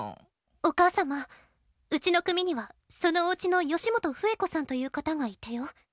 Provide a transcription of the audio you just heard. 「お母さまうちの組にはそのお家の吉本笛子さんという方がいてよ」。